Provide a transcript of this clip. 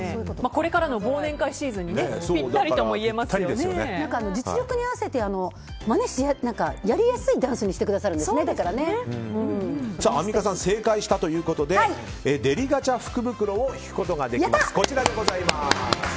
これからの忘年会シーズンに実力に合わせてやりやすいダンスにアンミカさん正解ということでデリガチャ福袋を引くことができます。